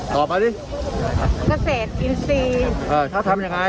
ตอบมาดิเกษตรกินเกษตรอืมถ้าทำยังไง